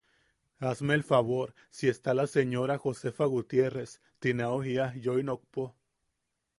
Hazme el favor si está la señora Josefa Gutierrez ti ne au jia yoi nokpo.